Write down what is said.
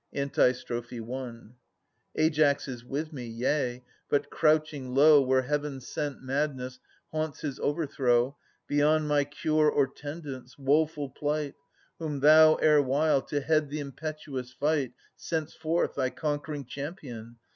Antistrophe I. Aias is with me, yea, but crouching low. Where Heaven sent madness haunts his overthrow. Beyond my cure or tendance : woful plight! Whom thou, erewhile, to head the impetuous fight. Sent st forth, thy conquering champion.